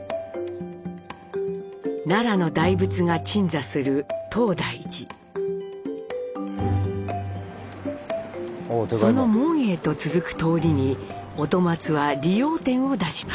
奈良の大仏が鎮座するその門へと続く通りに音松は理容店を出します。